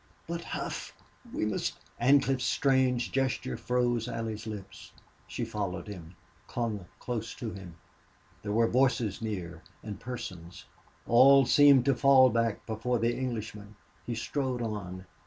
"But Hough! We must " Ancliffe's strange gesture froze Allie's lips. She followed him clung close to him. There were voices near and persons. All seemed to fall back before the Englishman. He strode on.